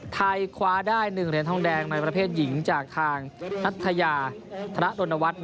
ไทยคว้าได้๑เหรียญทองแดงในประเภทหญิงจากทางนัทยาธนดนวัฒน์